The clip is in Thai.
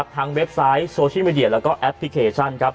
ทั้งเว็บไซต์โซเชียลมีเดียและแอปพลิเคชัน